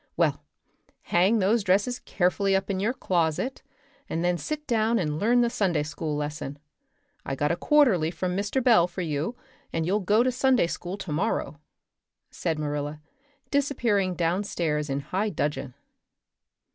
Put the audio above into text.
Well, hang those dresses carefully up in your closet, and then sit down and learn the Sunday school lesson. I got a quarterly from Mr. Bell for you and you'll go to Sunday school tomorrow," said Marilla, disappearing downstairs in high dudgeon.